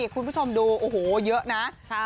คุณผู้ชมดูโอ้โหเยอะนะ